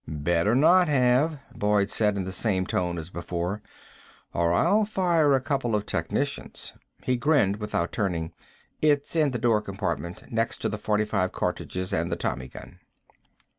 "Better not have," Boyd said in the same tone as before, "or I'll fire a couple of technicians." He grinned without turning. "It's in the door compartment, next to the forty five cartridges and the Tommy gun."